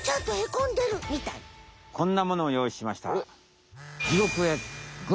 こんなものをよういしました。